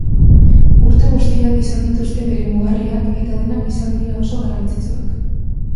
Urte guztiek izan dituzte bere mugarriak eta denak izan dira oso garrantzitsuak.